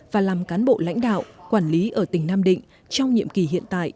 và làm cán bộ lãnh đạo quản lý ở tỉnh nam định trong nhiệm kỳ hiện tại